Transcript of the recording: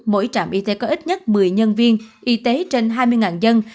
mỗi trạm y tế có ít nhất một mươi nhân viên y tế trên hai mươi dân